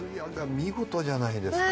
見事じゃないですか。